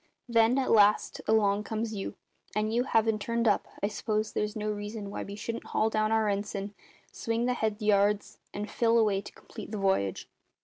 Then, at last, along comes you, and you havin' turned up, I s'pose there's no reason why we shouldn't haul down our ensign, swing the head yards, and fill away to complete the v'yage?"